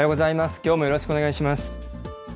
きょうもよろしくお願いします。